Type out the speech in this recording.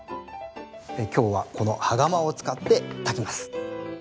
今日はこの羽釜を使って炊きます。